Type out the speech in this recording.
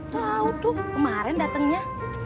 tau tuh kemaren datengnya